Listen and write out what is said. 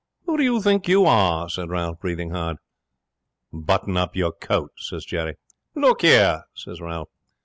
'"Who do you think you are?" says Ralph, breathing hard. '"Button up your coat," says Jerry. '"Look 'ere!" says Ralph.